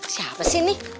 siapa sih ini